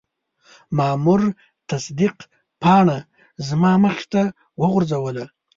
مامور تصدیق پاڼه زما مخې ته وغورځوله.